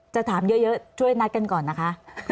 จะถามเยอะช่วยนัดกันก่อนนะคะ